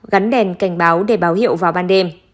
gắn đèn cảnh báo để báo hiệu vào ban đêm